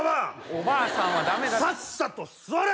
おばあさんはダメださっさと座れ！